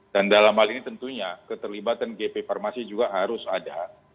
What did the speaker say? dan dalam hal ini tentunya keterlibatan gp farmasi juga harus ada